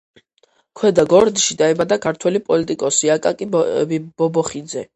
ქვედა გორდში დაიბადა ქართველი პოლიტიკოსი აკაკი ბობოხიძე.